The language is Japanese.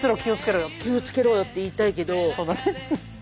気をつけろよって言いたいけど。